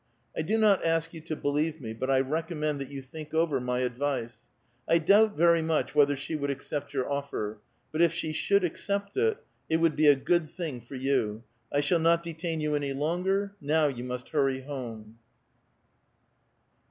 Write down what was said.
I do not ask you to believe me, but I recommend that you think over my advice. I doubt very much whether she would accept your offer ; but if she should accept it, it would be a good thing for you. I shall not detain you any longer ; now you must hurry home.